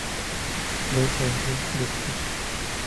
Les Authieux-du-Puits